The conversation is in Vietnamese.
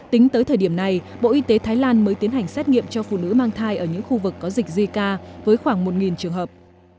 tính tới thời điểm này bộ y tế thái lan mới tiến hành xét nghiệm cho phụ nữ mang thai ở những khu vực có dịch zika với khoảng một trường hợp